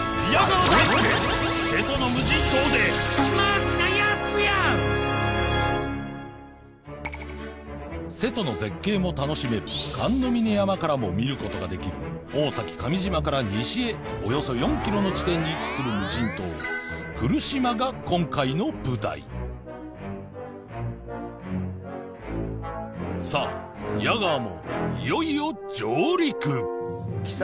中瀬戸の絶景も楽しめる神峰山からも見ることができる大崎上島から西へおよそ４ｋｍの地点に位置する無人島来島が今回の舞台さあ宮川もいよいよ上陸来た。